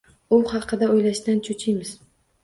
U haqida oʻylashdan choʻchiymiz